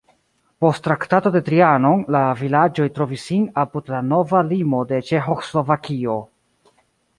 Post Traktato de Trianon la vilaĝoj trovis sin apud la nova limo de Ĉeĥoslovakio.